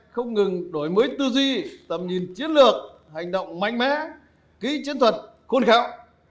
không ngừng đổi mới tư duy tầm nhìn chiến lược hành động mạnh mẽ ký chiến thuật khôn khảo